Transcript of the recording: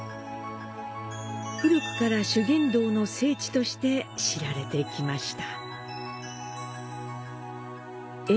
古くから修験道の聖地として知られてきました。